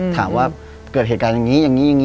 ถามว่าเกิดเหตุการณ์อย่างนี้นะ